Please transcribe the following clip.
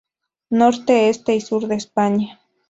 Norte, Este y Sur de España.